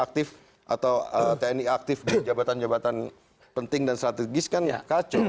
aktif atau tni aktif di jabatan jabatan penting dan strategis kan ya kacau